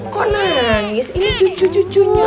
kok nangis ini cucu cucunya